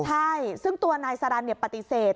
ใช่ซึ่งตัวนายสารันปฏิเสธ